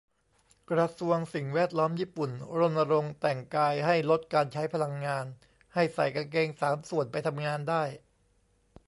กระทรวงสิ่งแวดล้อมญี่ปุ่น รณรงค์แต่งกายให้ลดการใช้พลังงาน ให้ใส่กางสามส่วนไปทำงานได้